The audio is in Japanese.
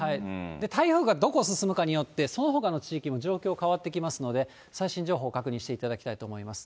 台風がどこ進むかによって、そのほかの地域も状況変わってきますので、最新情報を確認していただきたいと思います。